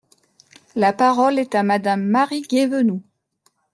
La parole est à Madame Marie Guévenoux.